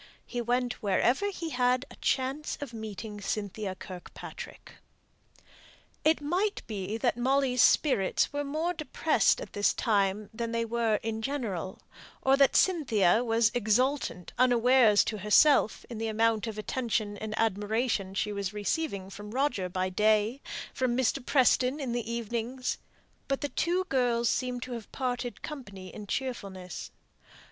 He went wherever he had a chance of meeting Cynthia Kirkpatrick. It might be that Molly's spirits were more depressed at this time than they were in general; or that Cynthia was exultant, unawares to herself, in the amount of attention and admiration she was receiving from Roger by day, from Mr. Preston in the evening, but the two girls seemed to have parted company in cheerfulness.